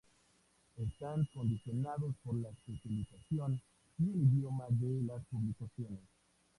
Están condicionados por la especialización y el idioma de las publicaciones.